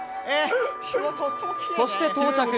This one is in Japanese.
そして到着。